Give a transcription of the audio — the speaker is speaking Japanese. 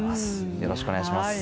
よろしくお願いします。